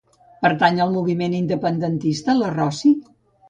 Pertany al moviment independentista la Rosi?